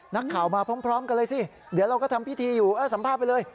นักข่าวมาพร้อมกันเลยสิเดี๋ยวเราก็ทำพิธีอยู่เออสัมภาษณ์ไปเลย